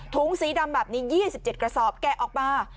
ถุงสีดำแบบนี้๒๗กระสอบแกะออกมา